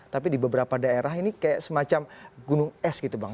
tapi di beberapa daerah ini kayak semacam gunung es gitu bang